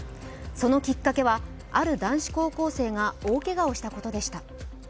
そのきっかけはある男子高校生が大けがをしたことでした。